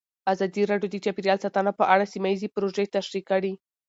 ازادي راډیو د چاپیریال ساتنه په اړه سیمه ییزې پروژې تشریح کړې.